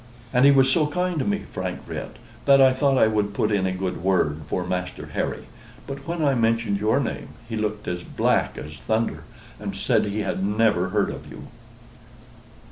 "And he was so kind to me," Frank writ, "that I thought I would put in a good word for Master Harry, but when I mentioned your name he looked as black as thunder, and said he had never heard of you."